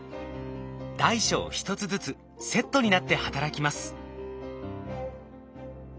大小１つずつセットになって働きます。